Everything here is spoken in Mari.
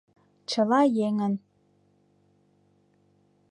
Чыла еҥын